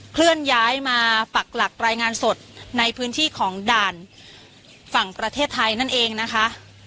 เคลื่อนย้ายมาปักหลักรายงานสดในพื้นที่ของด่านฝั่งประเทศไทยนั่นเองนะคะ